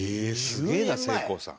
すげえなせいこうさん。